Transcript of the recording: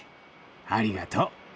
ありがとう。